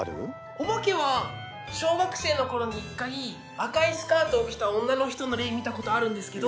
お化けは小学生の頃に一回赤いスカートを着た女の人の霊見たことあるんですけど。